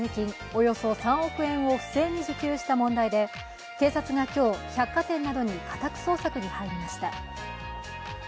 およそ３億円を不正に受給した問題で警察が今日、百貨店などに家宅捜索に入りました。